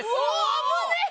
危ねえ！